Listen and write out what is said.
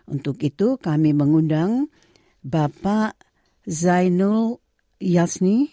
untuk itu kami mengundang bapak zainul yasmi